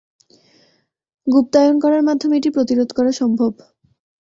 গুপ্তায়ন করার মাধ্যমে এটি প্রতিরোধ করা সম্ভব।